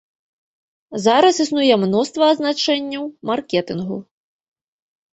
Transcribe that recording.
Зараз існуе мноства азначэнняў маркетынгу.